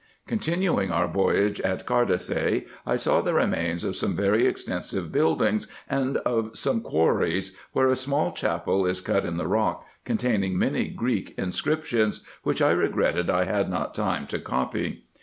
Continuing our voyage, at Cardassy I saw the remains of some very extensive buildings, and of some quarries, where a small chapel is cut in the rock, containing many Greek inscriptions, which I regretted I had not time to copy.